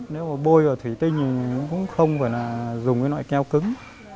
nếu mà bôi vào thủy tinh thì nó cũng không phải là dùng cái loại keo cứng